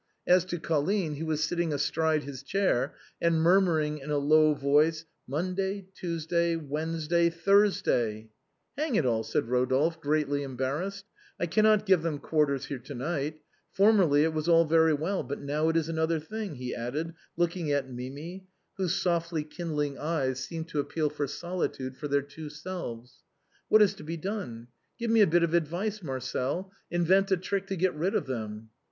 As to Colline he was sitting astride his chair and murmuring in a low voice: " Monday, Tuesday, Wednesday, Thursday," " Hang it all," said Rodolphe, greatly embarrassed, " I cannot give them quarters here to night; formerly it was all very well, but now it is another thing," he added, looking at Mimi, whose softly kindling eye seemed to 160 THE BOHEMIANS OF THE LATIN QUARTER. appeal for solitude for their two selves. " What is to be done? Give me a bit of advice, Marcel. Invent a trick to get rid of them."